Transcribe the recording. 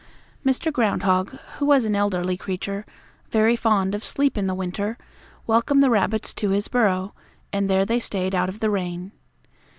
Mr. Groundhog, who was an elderly creature, very fond of sleep in the winter, welcomed the rabbits to his burrow, and there they stayed out of the rain.